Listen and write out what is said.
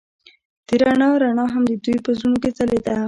د رڼا رڼا هم د دوی په زړونو کې ځلېده.